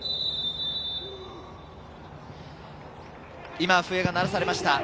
今、笛が鳴らされました。